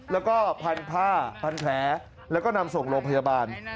แล้วก็พันผ้าพันแผลแล้วก็นำส่งโรงพยาบาล